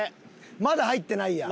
まだ入ってないやん。